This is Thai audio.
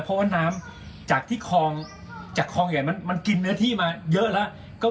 เพราะว่าน้ำจากที่คลองจากคลองใหญ่มันกินเนื้อที่มาเยอะแล้ว